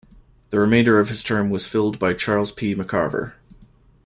The remainder of his term was filled by Charles P. McCarver.